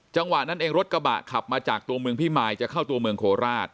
จังหวะนั้นเองรถกระบะขับมาจากตัวเมืองพิมายจะเข้าตัวเมืองโคราช